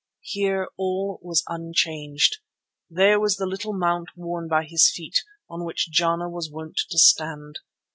Here all was unchanged. There was the little mount worn by his feet, on which Jana was wont to stand.